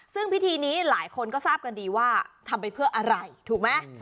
ซึ่งพิธีนี้หลายคนก็ทราบกันดีว่าทำไปเพื่ออะไรถูกไหม